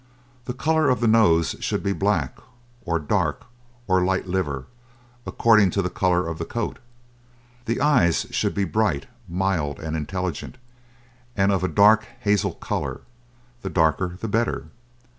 The colour of the nose should be black, or dark, or light liver, according to the colour of the coat. The eyes should be bright, mild, and intelligent, and of a dark hazel colour, the darker the better.